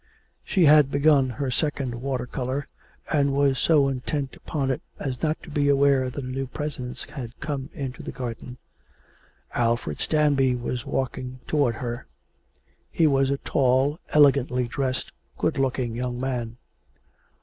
She had begun her second water colour, and was so intent upon it as not to be aware that a new presence had come into the garden. Alfred Stanby was walking towards her. He was a tall, elegantly dressed, good looking young man.